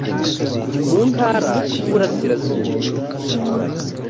mu ntara y uburasirazuba